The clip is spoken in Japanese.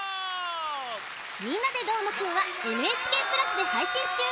「みんなＤＥどーもくん！」はＮＨＫプラスではいしんちゅう！